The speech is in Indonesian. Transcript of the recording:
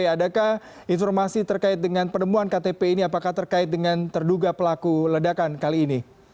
adakah informasi terkait dengan penemuan ktp ini apakah terkait dengan terduga pelaku ledakan kali ini